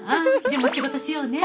でも仕事しようね。